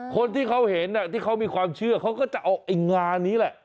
คนที่เขาเห็นที่เขามีความเชื่อเขาก็จะเอาไอ้งานนี้แหละ